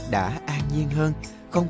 đã an nhiên hơn